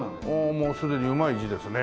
もうすでにうまい字ですね。